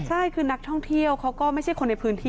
ใช่คือนักท่องเที่ยวเขาก็ไม่ใช่คนในพื้นที่